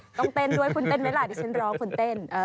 ต้องเต้นด้วยคุณเต้นไหมล่ะดิฉันร้องคนเต้น